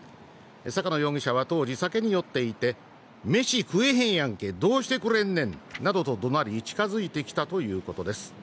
坂野容疑者は当時、酒に酔っていて飯食えへんやんけ、どうしてくれんねんなどとどなり、近づいてきたということです。